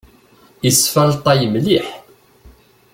Isfalṭay mliḥ.